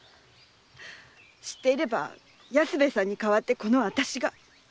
知っていれば安兵衛さんに代わってこのあたしが。